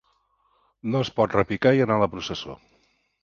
No es pot repicar i anar a la processó.